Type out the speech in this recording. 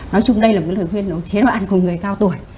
nói chung đây là một lời khuyên chế độ ăn của người cao tuổi